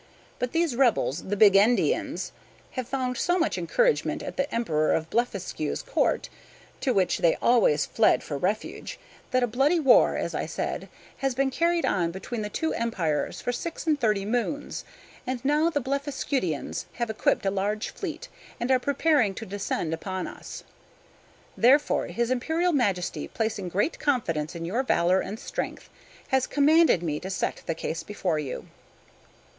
But these rebels, the Bigendians, have found so much encouragement at the Emperor of Blefuscu's Court, to which they always fled for refuge, that a bloody war, as I said, has been carried on between the two empires for six and thirty moons; and now the Blefuscudians have equipped a large fleet, and are preparing to descend upon us. Therefore his Imperial Majesty, placing great confidence in your valor and strength, has commanded me to set the case before you."